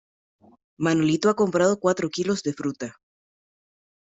Manolito ha comprado cuatro kilos de fruta.